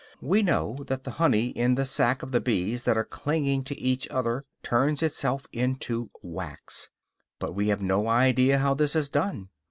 We know that the honey in the sac of the bees that are clinging to each other turns itself into wax, but we have no idea how this is done.